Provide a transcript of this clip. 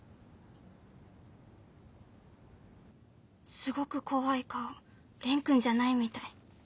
・すごく怖い顔蓮君じゃないみたい。